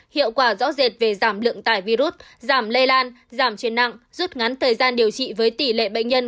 hiệu quả rõ rệt về giảm lượng tải virus giảm lây lan giảm trên nặng rút ngắn thời gian điều trị với tỷ lệ bệnh nhân